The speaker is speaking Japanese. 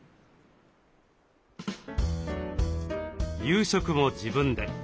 夕食も自分で。